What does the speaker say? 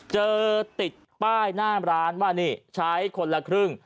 เจอติดป้ายหน้าร้านว่านี่ใช้คนละครึ่ง